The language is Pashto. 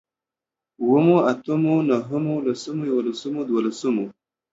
اوومو، اتمو، نهمو، لسمو، يوولسمو، دوولسمو